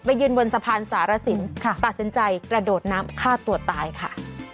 มายืนวนสะพานสารสินค่ะปรัชญาใจกระโดดน้ำฆ่าตัวตายค่ะ